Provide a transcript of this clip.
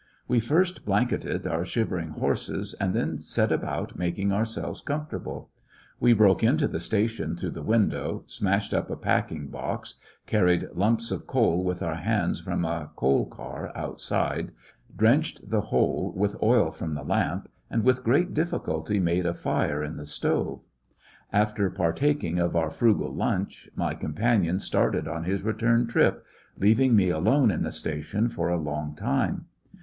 We first blanketed our shivering horses, and then set about making ourselves comfortable. We broke into the station through the window, smashed up a packing box, carried lumps of coal with our hands from a coal car outside, drenched the whole with oil from the lamp, and with great difficulty made a fire in the stove. After partaking of our frugal lunch, my companion started on his return trip, leaving me alone in the station for a long time.